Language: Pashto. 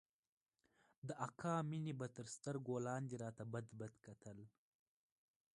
د اکا مينې به تر سترگو لاندې راته بدبد کتل.